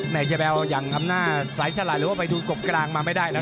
แม่เจ็บแววอย่างทำหน้าตัวสายสลายหรือว่าไปดูกกกลางมาไม่ได้นะ